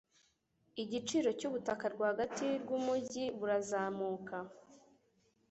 Igiciro cyubutaka rwagati rwumujyi burazamuka.